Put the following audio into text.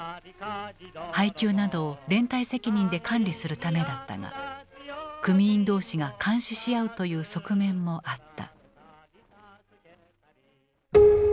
配給などを連帯責任で管理するためだったが組員同士が監視し合うという側面もあった。